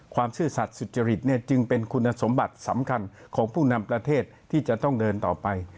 ซื่อสัตว์สุจริตจึงเป็นคุณสมบัติสำคัญของผู้นำประเทศที่จะต้องเดินต่อไป